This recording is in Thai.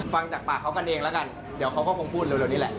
ฟังจากปากเขากันเองแล้วกันเดี๋ยวเขาก็คงพูดเร็วนี่แหละ